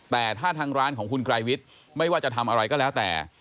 แต่ถ้าทางร้านของคุณไกรวิทย์ไม่ว่าจะทำอะไรก็แล้วแต่